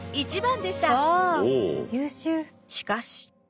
しかし。